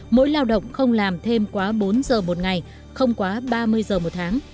mỗi lao động không làm thêm quá bốn giờ một ngày không quá ba mươi giờ một tháng